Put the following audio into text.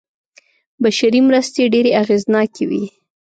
بشري مرستې ډېرې اغېزناکې وې.